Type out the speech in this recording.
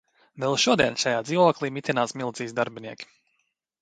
Vēl šodien šajā dzīvokli mitinās milicijas darbinieki.